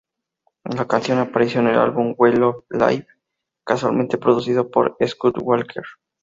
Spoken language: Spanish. La canción apareció en el álbum "We Love Life", casualmente, producido por Scott Walker.